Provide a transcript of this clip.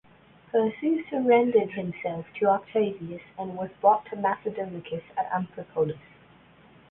Perseus surrendered himself to Octavius and was brought to Macedonicus at Amphipolis.